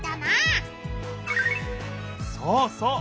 そうそう！